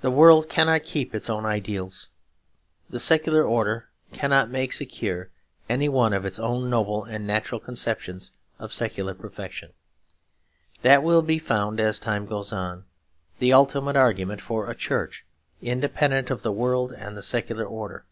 The world cannot keep its own ideals. The secular order cannot make secure any one of its own noble and natural conceptions of secular perfection. That will be found, as time goes on, the ultimate argument for a Church independent of the world and the secular order.